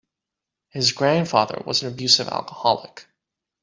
His grandfather was an abusive alcoholic.